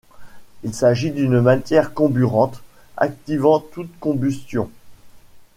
Il s'agit d'une matière comburante, activant tout combustion.